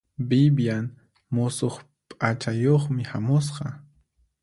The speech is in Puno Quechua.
Vivian musuq p'achayuqmi hamusqa.